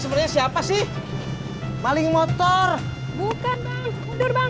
sebetulnya siapa sih maling motor bukan bang bang